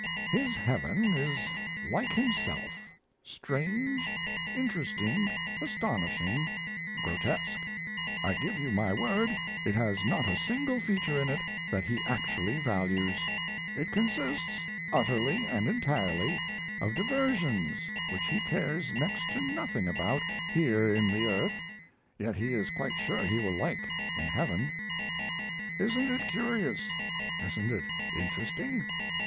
His heaven is like himself: strange, interesting, astonishing, grotesque. I give you my word it has not a single feature in it that he actually values. It consists utterly and entirely of diversions which he cares next to nothing about here in the earth, yet he is quite sure he will like in heaven. Isn't it curious? Isn't it interesting?